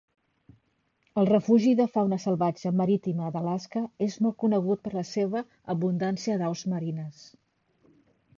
El refugi de fauna salvatge marítima d'Alaska és molt conegut per la seva abundància d'aus marines.